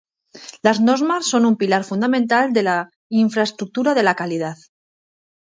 Las normas son un pilar fundamental de la Infraestructura de la calidad.